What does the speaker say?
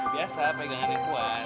biasa pegangannya kuat